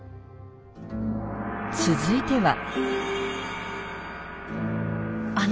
続いては。